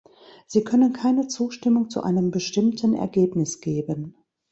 Sie können keine Zustimmung zu einem bestimmten Ergebnis geben.